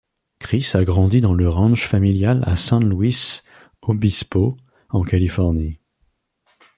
Chris a grandi dans le ranch familial à San Luis Obispo en Californie.